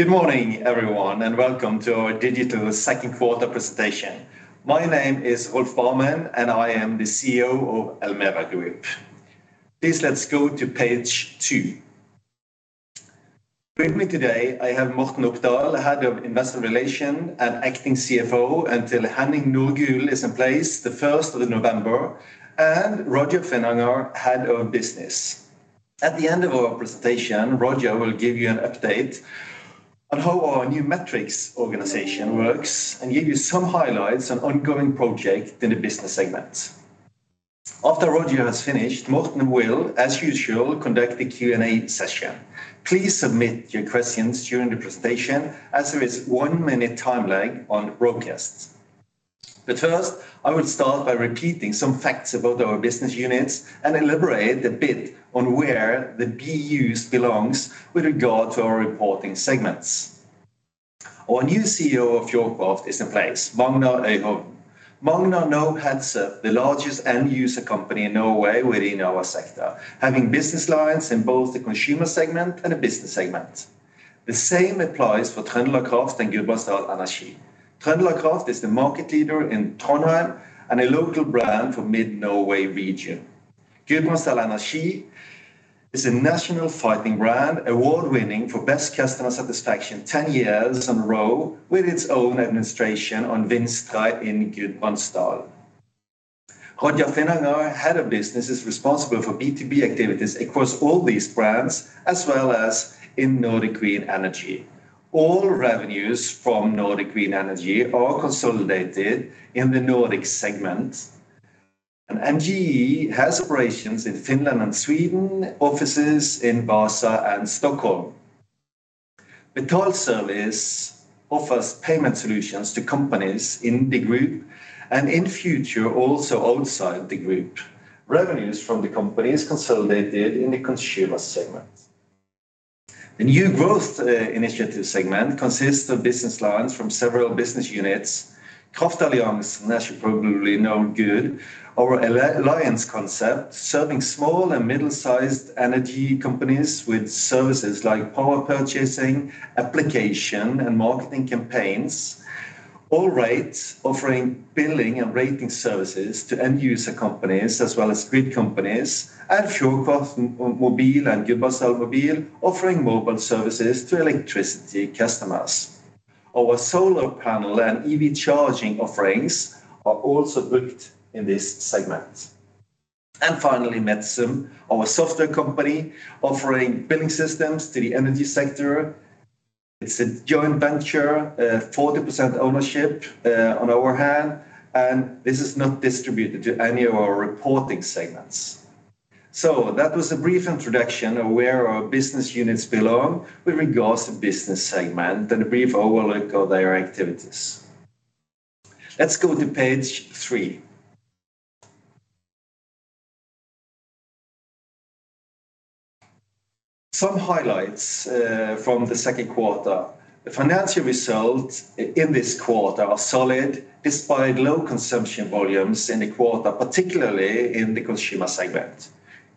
Good morning, everyone, and welcome to our digital second quarter presentation. My name is Rolf Barmen, and I am the CEO of Elmera Group. Please let's go to page 2. With me today, I have Morten Opdal, head of Investor Relations and acting CFO until Henning Nordgulen is in place the first of November, and Roger Finnanger, head of business. At the end of our presentation, Roger will give you an update on how our new metrics organization works and give you some highlights on ongoing project in the business segments. After Roger has finished, Morten will, as usual, conduct the Q&A session. Please submit your questions during the presentation as there is one-minute time lag on broadcasts. First, I would start by repeating some facts about our business units and elaborate a bit on where the BUs belongs with regard to our reporting segments. Our new CEO of Fjordkraft is in place, Magnar Øyhovden. Magnar now heads up the largest end user company in Norway within our sector, having business lines in both the consumer segment and the business segment. The same applies for TrøndelagKraft and Gudbrandsdal Energi. TrøndelagKraft is the market leader in Trondheim and a local brand for mid-Norway region. Gudbrandsdal Energi is a national fighting brand, award-winning for best customer satisfaction ten years in a row with its own administration on Vinstra in Gudbrandsdal. Roger Finnanger, Head of Business, is responsible for B2B activities across all these brands, as well as in Nordic Green Energy. All revenues from Nordic Green Energy are consolidated in the Nordic segment. NGE has operations in Finland and Sweden, offices in Vasa and Stockholm. Betal Service offers payment solutions to companies in the group and in future, also outside the group. Revenues from the company is consolidated in the consumer segment. The new growth initiative segment consists of business lines from several business units. Kraftalliansen, as you probably know good, our alliance concept, serving small and middle-sized energy companies with services like power purchasing, application, and marketing campaigns. AllRate offering billing and rating services to end user companies as well as grid companies. Fjordkraft Mobil and Gudbrandsdal Energi Mobil offering mobile services to electricity customers. Our solar panel and EV charging offerings are also booked in this segment. Finally, Metzum, our software company offering billing systems to the energy sector. It's a joint venture, 40% ownership, on our hand, and this is not distributed to any of our reporting segments. That was a brief introduction of where our business units belong with regards to business segment and a brief overview of their activities. Let's go to page three. Some highlights from the second quarter. The financial results in this quarter are solid despite low consumption volumes in the quarter, particularly in the consumer segment.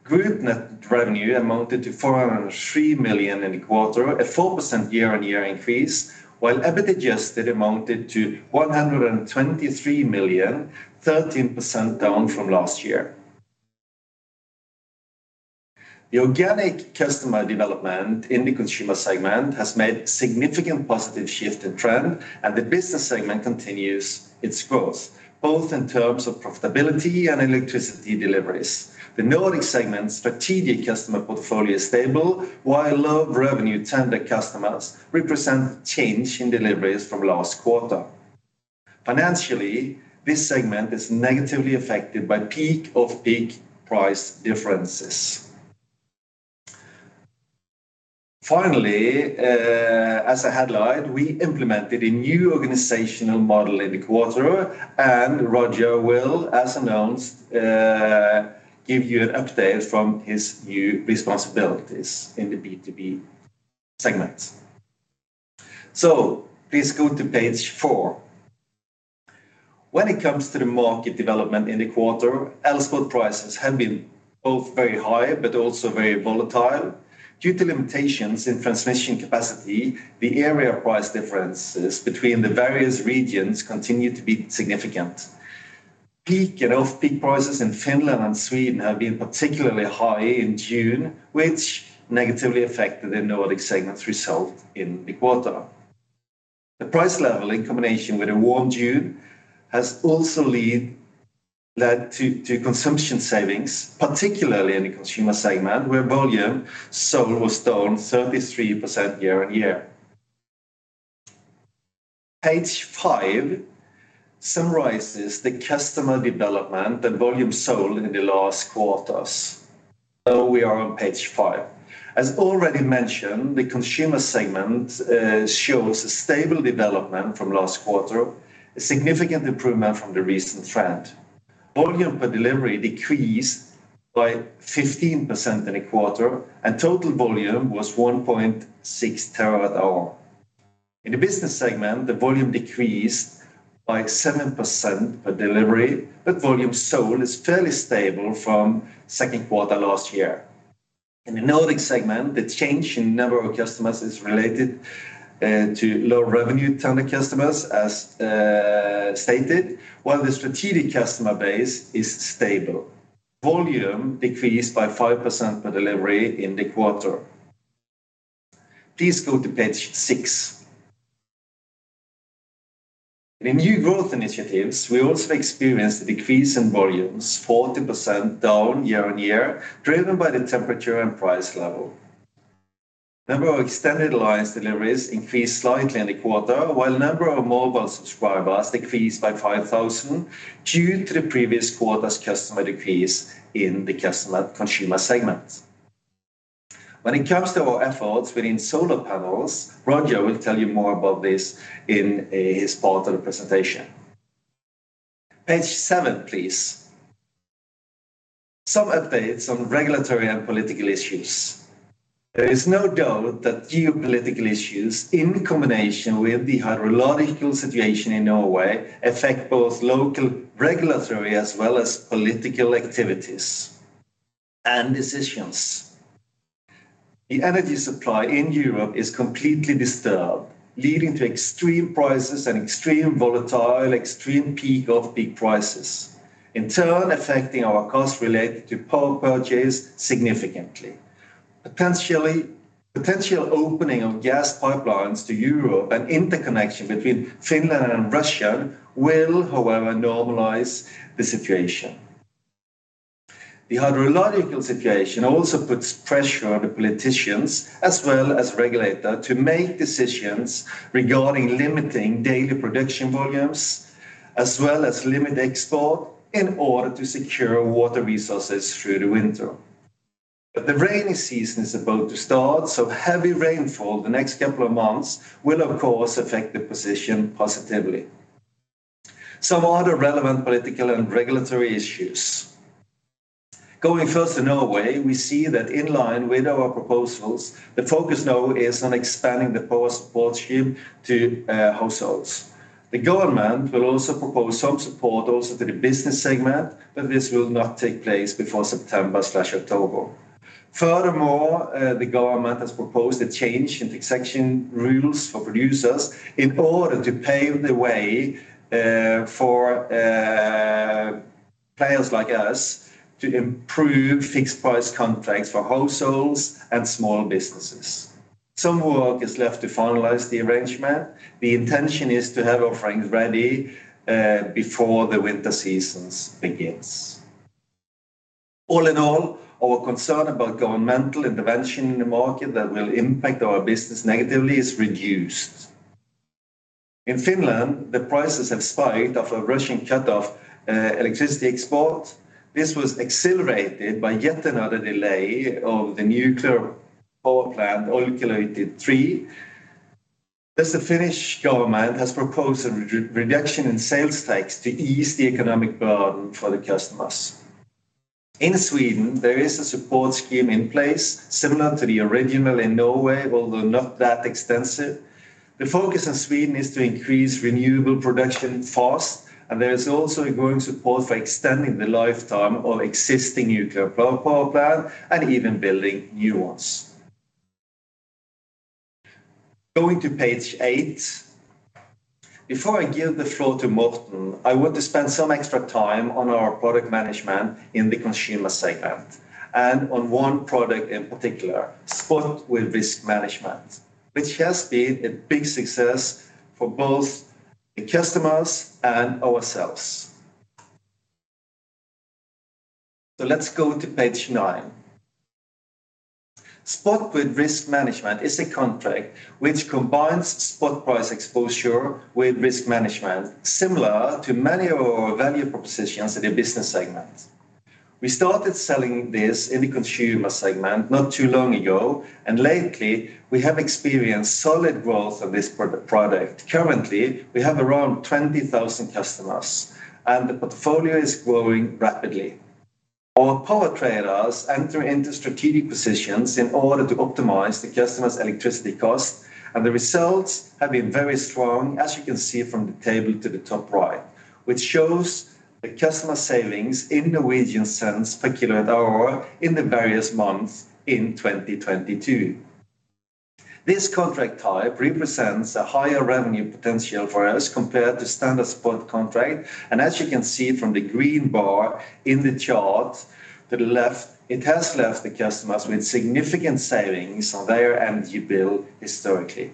Group net revenue amounted to 403 million in the quarter, a 4% year-on-year increase, while Adjusted EBIT amounted to 123 million, 13% down from last year. The organic customer development in the consumer segment has made significant positive shift in trend, and the business segment continues its growth, both in terms of profitability and electricity deliveries. The Nordic segment's strategic customer portfolio is stable, while low-revenue tender customers represent change in deliveries from last quarter. Financially, this segment is negatively affected by peak-off-peak price differences. Finally, as I highlighted, we implemented a new organizational model in the quarter, and Roger will, as announced, give you an update from his new responsibilities in the B2B segment. Please go to page 4. When it comes to the market development in the quarter, Elspot prices have been both very high but also very volatile. Due to limitations in transmission capacity, the area price differences between the various regions continue to be significant. Peak and off-peak prices in Finland and Sweden have been particularly high in June, which negatively affected the Nordic segment's result in the quarter. The price level, in combination with a warm June, has also led to consumption savings, particularly in the consumer segment, where volume sold was down 33% year-over-year. Page 5 summarizes the customer development and volume sold in the last quarters. We are on page five. As already mentioned, the consumer segment shows stable development from last quarter, a significant improvement from the recent trend. Volume per delivery decreased by 15% in a quarter, and total volume was 1.6 TWh. In the business segment, the volume decreased by 7% per delivery, but volume sold is fairly stable from second quarter last year. In the Nordic segment, the change in number of customers is related to low revenue Nordic customers, as stated, while the strategic customer base is stable. Volume decreased by 5% per delivery in the quarter. Please go to page 6. In New Growth Initiatives, we also experienced a decrease in volumes 40% down year-over-year, driven by the temperature and price level. Number of extended lines deliveries increased slightly in the quarter, while number of mobile subscribers decreased by 5,000 due to the previous quarter's customer decrease in the customer consumer segment. When it comes to our efforts within solar panels, Roger will tell you more about this in his part of the presentation. Page 7, please. Some updates on regulatory and political issues. There is no doubt that geopolitical issues in combination with the hydrological situation in Norway affect both local regulatory as well as political activities and decisions. The energy supply in Europe is completely disturbed, leading to extreme prices and extreme volatile, extreme peak of peak prices. In turn, affecting our costs related to power purchase significantly. Potential opening of gas pipelines to Europe and interconnection between Finland and Russia will, however, normalize the situation. The hydrological situation also puts pressure on the politicians as well as regulator to make decisions regarding limiting daily production volumes, as well as limit export in order to secure water resources through the winter. The rainy season is about to start, so heavy rainfall the next couple of months will of course affect the position positively. Some other relevant political and regulatory issues. Going first to Norway, we see that in line with our proposals, the focus now is on expanding the power support scheme to households. The government will also propose some support also to the business segment, but this will not take place before September/October. Furthermore, the government has proposed a change in taxation rules for producers in order to pave the way for players like us to improve fixed price contracts for households and small businesses. Some work is left to finalize the arrangement. The intention is to have offerings ready before the winter season begins. All in all, our concern about governmental intervention in the market that will impact our business negatively is reduced. In Finland, the prices have spiked after Russia cut off electricity export. This was accelerated by yet another delay of the nuclear power plant, Olkiluoto 3. Thus, the Finnish government has proposed a reduction in sales tax to ease the economic burden for the customers. In Sweden, there is a support scheme in place similar to the original in Norway, although not that extensive. The focus in Sweden is to increase renewable production fast, and there is also a growing support for extending the lifetime of existing nuclear power plant and even building new ones. Going to page 8. Before I give the floor to Morten, I want to spend some extra time on our product management in the consumer segment, and on one product in particular, Spot with Risk Management, which has been a big success for both the customers and ourselves. Let's go to page 9. Spot with Risk Management is a contract which combines spot price exposure with risk management, similar to many of our value propositions in the business segment. We started selling this in the consumer segment not too long ago, and lately, we have experienced solid growth of this product. Currently, we have around 20,000 customers, and the portfolio is growing rapidly. Our power traders enter into strategic positions in order to optimize the customer's electricity cost, and the results have been very strong, as you can see from the table to the top right, which shows the customer savings in Norwegian cents per kilowatt-hour in the various months in 2022. This contract type represents a higher revenue potential for us compared to standard spot contract. As you can see from the green bar in the chart to the left, it has left the customers with significant savings on their energy bill historically.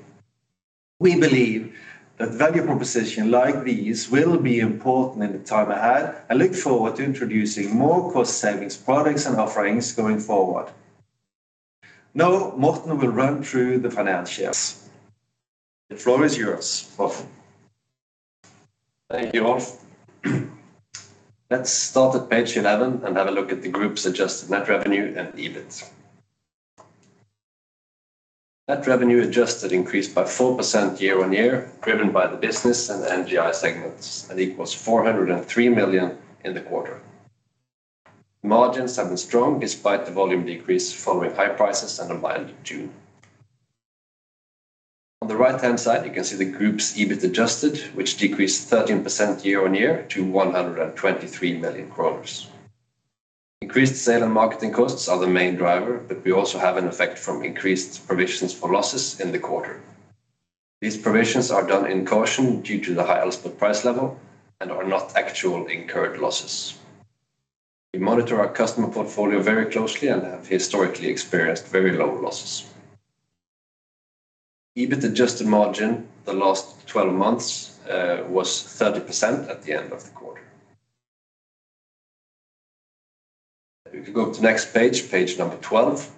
We believe that value proposition like these will be important in the time ahead and look forward to introducing more cost savings products and offerings going forward. Now, Morten will run through the financials. The floor is yours, Morten. Thank you, Rolf. Let's start at page 11 and have a look at the group's adjusted net revenue and EBIT. Net revenue adjusted increased by 4% year-on-year, driven by the business and the NGI segments and equals 403 million in the quarter. Margins have been strong despite the volume decrease following high prices and a mild June. On the right-hand side, you can see the group's EBIT adjusted, which decreased 13% year-on-year to 123 million kroner. Increased sale and marketing costs are the main driver, but we also have an effect from increased provisions for losses in the quarter. These provisions are done in caution due to the high Elspot price level and are not actual incurred losses. We monitor our customer portfolio very closely and have historically experienced very low losses. EBIT adjusted margin the last twelve months was 30% at the end of the quarter. If you go to next page 12,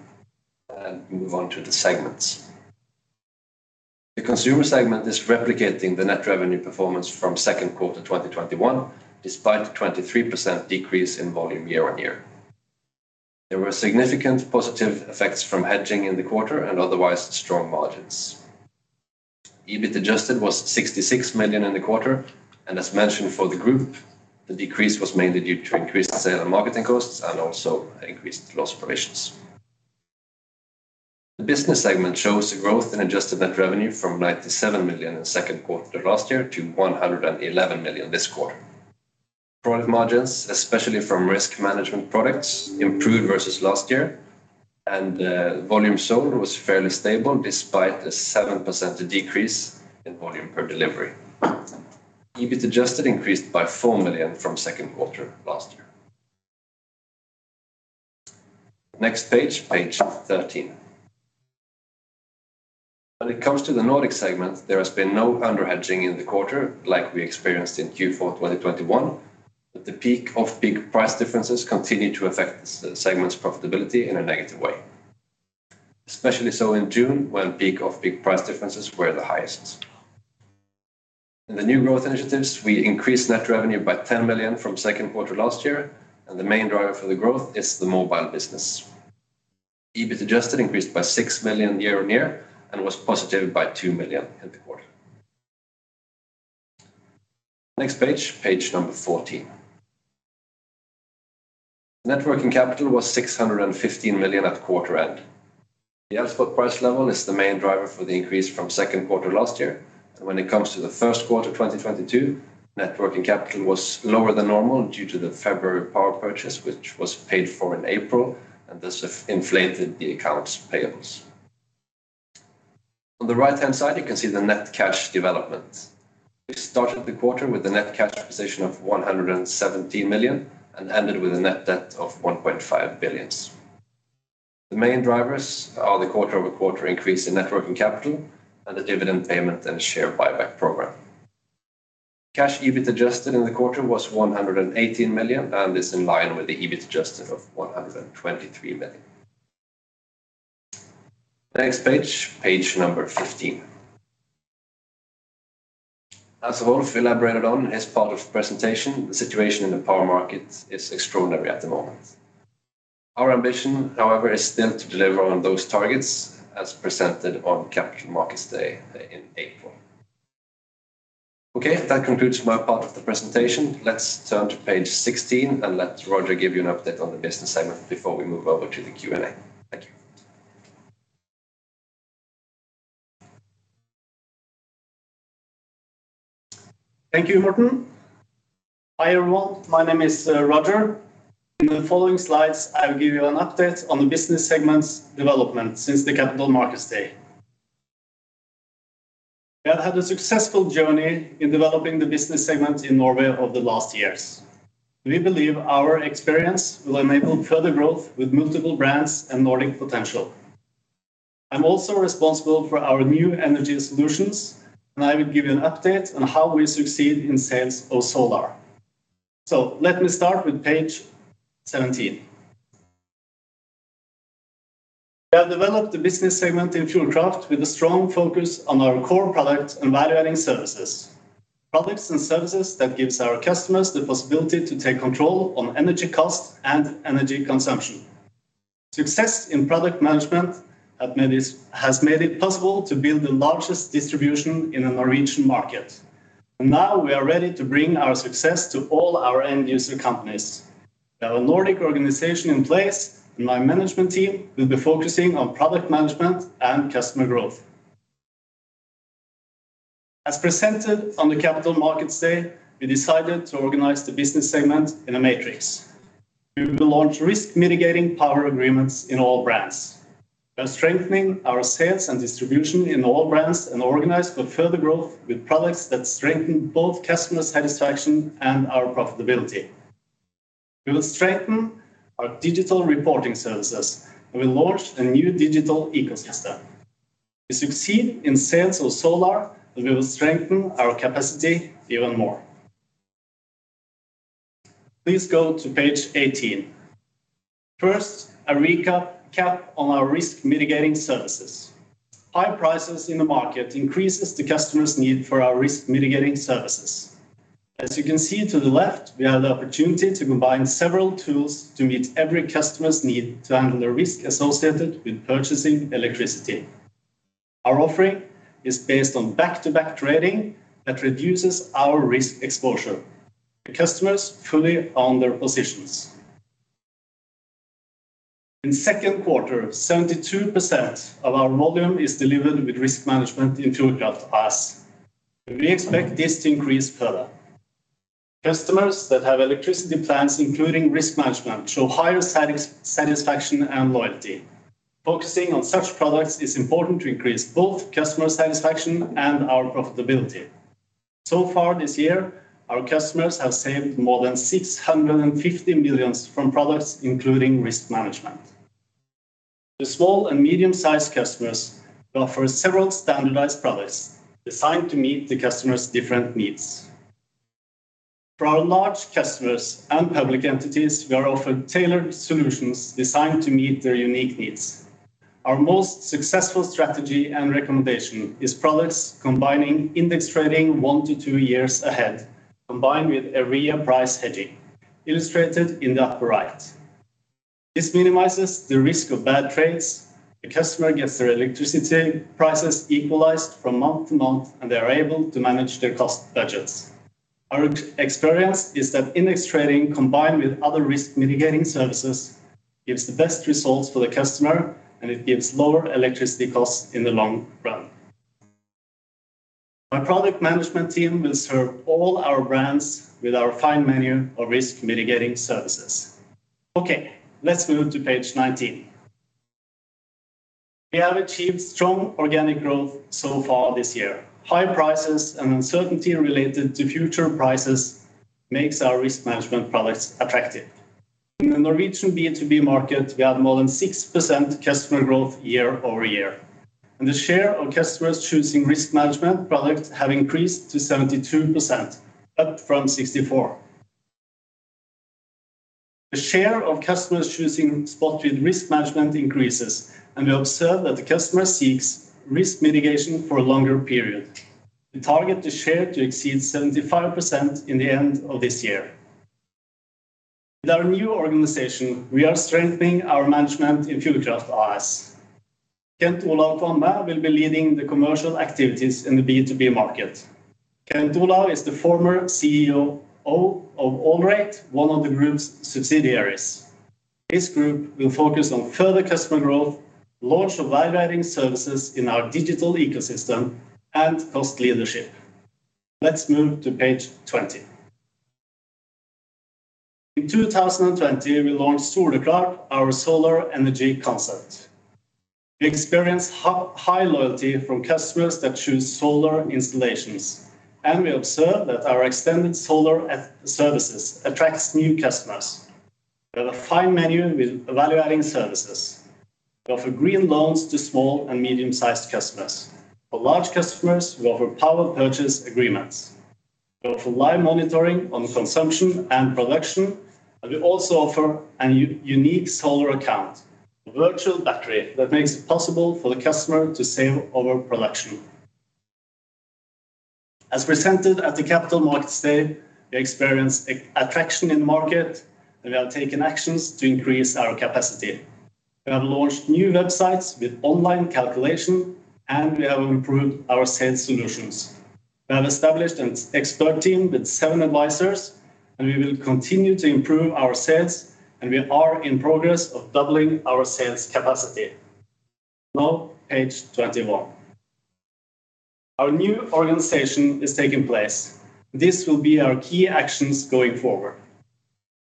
and move on to the segments. The consumer segment is replicating the net revenue performance from second quarter 2021, despite the 23% decrease in volume year-on-year. There were significant positive effects from hedging in the quarter and otherwise strong margins. EBIT adjusted was 66 million in the quarter, and as mentioned for the group, the decrease was mainly due to increased sales and marketing costs and also increased loss provisions. The business segment shows growth in adjusted net revenue from 97 million in the second quarter of last year to 111 million this quarter. Product margins, especially from risk management products, improved versus last year, and volume sold was fairly stable despite a 7% decrease in volume per delivery. EBIT adjusted increased by 4 million from second quarter last year. Next page 13. When it comes to the Nordic segment, there has been no under-hedging in the quarter like we experienced in Q4 2021, but the peak-off-peak price differences continue to affect segment's profitability in a negative way. Especially so in June, when peak of big price differences were the highest. In the New Growth Initiatives, we increased net revenue by 10 million from second quarter last year, and the main driver for the growth is the mobile business. EBIT adjusted increased by 6 million year-over-year and was positive by 2 million in the quarter. Next page number 14. Net working capital was 615 million at quarter end. The Elspot price level is the main driver for the increase from second quarter last year. When it comes to the first quarter 2022, net working capital was lower than normal due to the February power purchase, which was paid for in April, and this inflated the accounts payables. On the right-hand side, you can see the net cash development. We started the quarter with a net cash position of 117 million and ended with a net debt of 1.5 billion. The main drivers are the quarter-over-quarter increase in net working capital and the dividend payment and share buyback program. Cash EBIT adjusted in the quarter was 118 million and is in line with the EBIT adjusted of 123 million. Next page number 15. As Rolf elaborated on as part of the presentation, the situation in the power market is extraordinary at the moment. Our ambition, however, is still to deliver on those targets as presented on Capital Markets Day in April. Okay. That concludes my part of the presentation. Let's turn to page 16 and let Roger give you an update on the business segment before we move over to the Q&A. Thank you. Thank you, Morten. Hi, everyone. My name is Roger. In the following slides, I will give you an update on the business segment's development since the Capital Markets Day. We have had a successful journey in developing the business segment in Norway over the last years. We believe our experience will enable further growth with multiple brands and Nordic potential. I'm also responsible for our new energy solutions, and I will give you an update on how we succeed in sales of solar. Let me start with page 17. We have developed the business segment in Fjordkraft with a strong focus on our core products and value-adding services. Products and services that gives our customers the possibility to take control on energy cost and energy consumption. Success in product management has made it possible to build the largest distribution in the Norwegian market. Now we are ready to bring our success to all our end user companies. We have a Nordic organization in place, and my management team will be focusing on product management and customer growth. As presented on the Capital Markets Day, we decided to organize the business segment in a matrix. We will launch risk mitigating power agreements in all brands. We are strengthening our sales and distribution in all brands and organize for further growth with products that strengthen both customer satisfaction and our profitability. We will strengthen our digital reporting services, and we launch a new digital ecosystem. We succeed in sales of solar, and we will strengthen our capacity even more. Please go to page 18. First, a recap on our risk mitigating services. High prices in the market increases the customer's need for our risk mitigating services. As you can see to the left, we have the opportunity to combine several tools to meet every customer's need to handle the risk associated with purchasing electricity. Our offering is based on back-to-back trading that reduces our risk exposure. The customers fully own their positions. In second quarter, 72% of our volume is delivered with risk management in Fjordkraft AS, and we expect this to increase further. Customers that have electricity plans including risk management show higher satisfaction and loyalty. Focusing on such products is important to increase both customer satisfaction and our profitability. So far this year, our customers have saved more than 650 million from products including risk management. The small and medium-sized customers offer several standardized products designed to meet the customer's different needs. For our large customers and public entities, we are offering tailored solutions designed to meet their unique needs. Our most successful strategy and recommendation is products combining index trading 1-2 years ahead, combined with area price hedging, illustrated in the upper right. This minimizes the risk of bad trades. The customer gets their electricity prices equalized from month to month, and they are able to manage their cost budgets. Our experience is that index trading combined with other risk mitigating services gives the best results for the customer, and it gives lower electricity costs in the long run. My product management team will serve all our brands with our fine menu of risk mitigating services. Okay, let's move to page 19. We have achieved strong organic growth so far this year. High prices and uncertainty related to future prices makes our risk management products attractive. In the Norwegian B2B market, we have more than 6% customer growth year-over-year, and the share of customers choosing risk management products have increased to 72%, up from 64%. The share of customers choosing Spot with Risk Management increases, and we observe that the customer seeks risk mitigation for a longer period. We target the share to exceed 75% in the end of this year. With our new organization, we are strengthening our management in Fjordkraft AS. Kent Olav Kvamme will be leading the commercial activities in the B2B market. Kent Olav is the former CEO of AllRate, one of the group's subsidiaries. This group will focus on further customer growth, launch of value-adding services in our digital ecosystem, and cost leadership. Let's move to page 20. In 2020, we launched Solkraft, our solar energy concept. We experience high loyalty from customers that choose solar installations, and we observe that our extended solar e-services attract new customers. We have a fine menu with value-adding services. We offer green loans to small and medium-sized customers. For large customers, we offer Power Purchase Agreement. We offer live monitoring on consumption and production, and we also offer a unique Solar account, a virtual battery that makes it possible for the customer to save overproduction. As presented at the Capital Markets Day, we experience attraction in market, and we have taken actions to increase our capacity. We have launched new websites with online calculation, and we have improved our sales solutions. We have established an expert team with seven advisors, and we will continue to improve our sales, and we are in progress of doubling our sales capacity. Now, page 21. Our new organization is taking place. This will be our key actions going forward.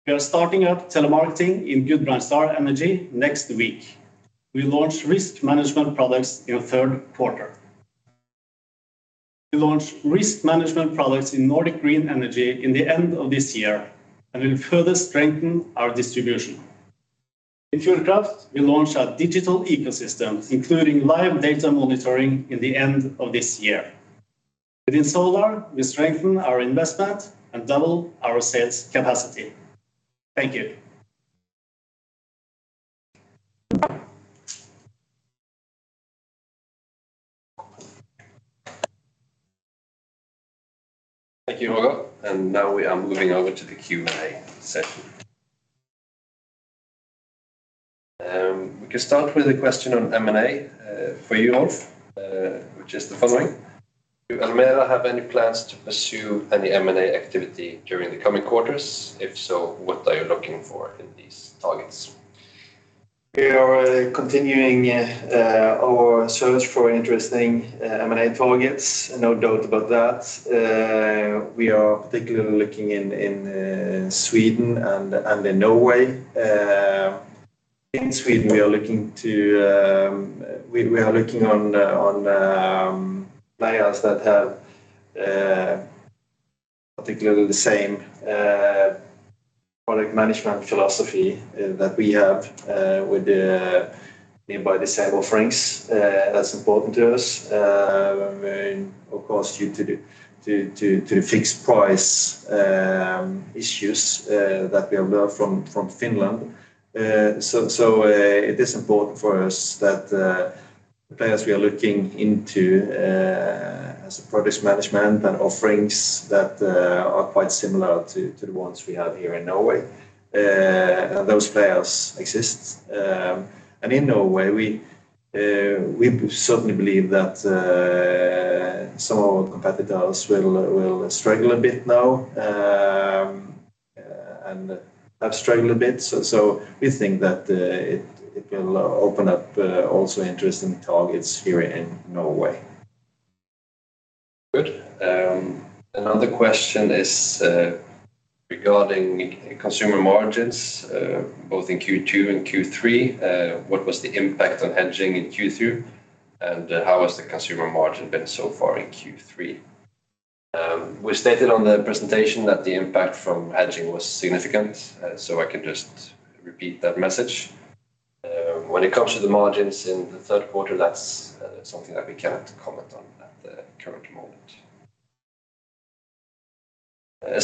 We are starting up telemarketing in Gudbrandsdal Energi next week. We launch risk management products in the third quarter. We launch risk management products in Nordic Green Energy in the end of this year and will further strengthen our distribution. In Fjordkraft, we launch our digital ecosystem, including live data monitoring, in the end of this year. Within solar, we strengthen our investment and double our sales capacity. Thank you. Thank you, Roger. Now we are moving over to the Q&A session. We can start with a question on M&A, for you, Rolf, which is the following: Do Elmera have any plans to pursue any M&A activity during the coming quarters? If so, what are you looking for in these targets? We are continuing our search for interesting M&A targets. No doubt about that. We are particularly looking in Sweden and in Norway. In Sweden, we are looking at players that have particularly the same product management philosophy that we have with the variable flexible offerings. That's important to us. Of course due to the fixed price issues that we have learned from Finland. It is important for us that the players we are looking into has a product management and offerings that are quite similar to the ones we have here in Norway. Those players exist. In Norway, we certainly believe that some of our competitors will struggle a bit now and have struggled a bit. We think that it will open up also interesting targets here in Norway. Good. Another question is regarding consumer margins both in Q2 and Q3. What was the impact on hedging in Q2, and how has the consumer margin been so far in Q3? We stated on the presentation that the impact from hedging was significant, so I can just repeat that message. When it comes to the margins in the third quarter, that's something that we cannot comment on at the current moment. A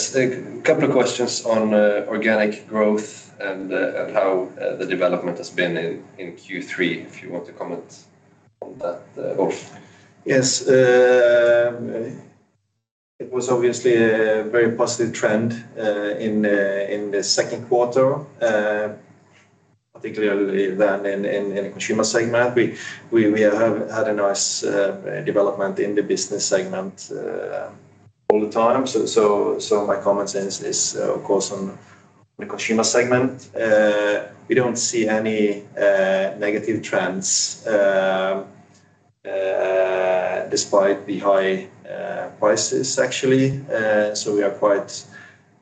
couple of questions on organic growth and how the development has been in Q3, if you want to comment on that, Rolf. Yes. It was obviously a very positive trend in the second quarter, particularly than in the consumer segment. We have had a nice development in the business segment all the time. My comment is of course on the consumer segment. We don't see any negative trends despite the high prices actually. We are quite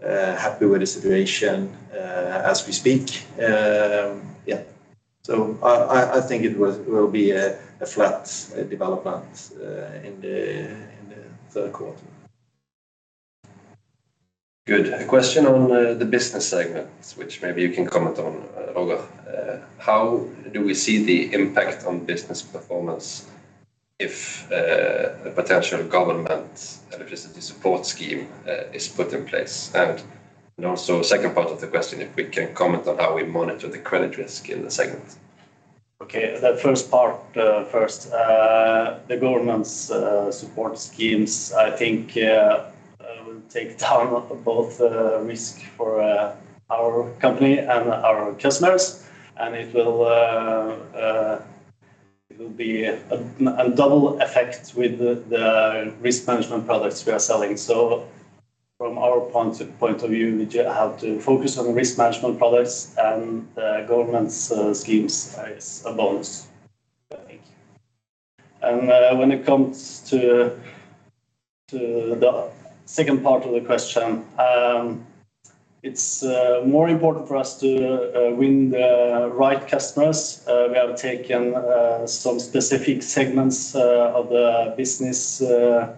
happy with the situation as we speak. I think it will be a flat development in the third quarter. Good. A question on the business segment, which maybe you can comment on, Roger. How do we see the impact on business performance if a potential government electricity support scheme is put in place? Also second part of the question, if we can comment on how we monitor the credit risk in the segment. Okay. The first part first. The government's support schemes, I think, will take down both risk for our company and our customers, and it will be a double effect with the risk management products we are selling. From our point of view, we have to focus on risk management products and the government's schemes as a bonus, I think. When it comes to the second part of the question, it's more important for us to win the right customers. We have taken some specific segments of the business of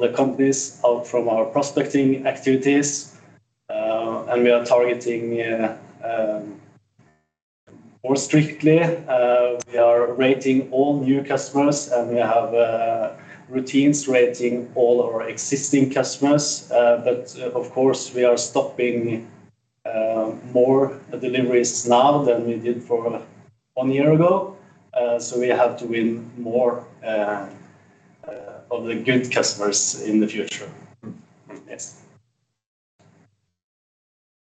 the companies out from our prospecting activities, and we are targeting more strictly. We are rating all new customers, and we have routines rating all our existing customers. Of course, we are stopping more deliveries now than we did from one year ago. We have to win more of the good customers in the future. Yes.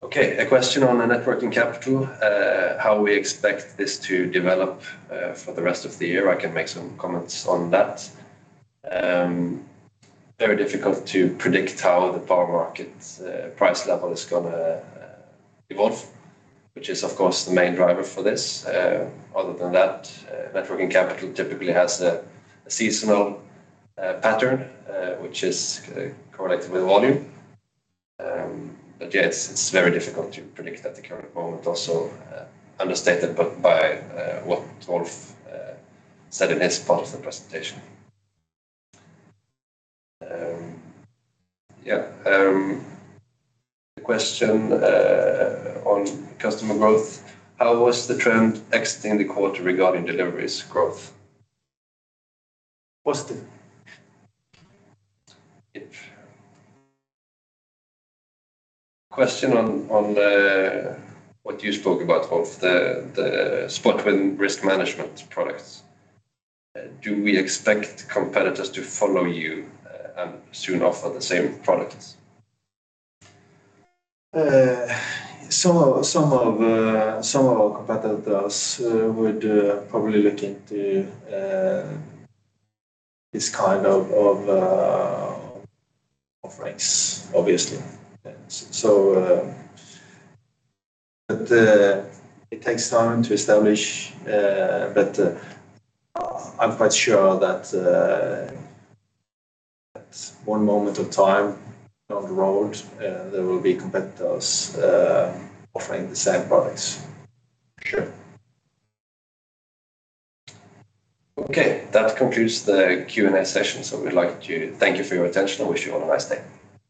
Okay, a question on the net working capital, how we expect this to develop, for the rest of the year. I can make some comments on that. Very difficult to predict how the power market, price level is gonna evolve, which is of course, the main driver for this. Other than that, net working capital typically has a seasonal pattern, which is correlated with volume. Yeah, it's very difficult to predict at the current moment. Also, underlined by what Rolf said in his part of the presentation. Yeah. A question on customer growth. How was the trend exiting the quarter regarding deliveries growth? Positive. Yep. Question on what you spoke about, Rolf, the Spot with risk management products. Do we expect competitors to follow you and soon offer the same products? Some of our competitors would probably look into this kind of offerings, obviously. It takes time to establish, but I'm quite sure that at one moment of time down the road, there will be competitors offering the same products. Sure. Okay. That concludes the Q&A session. We'd like to thank you for your attention and wish you all a nice day.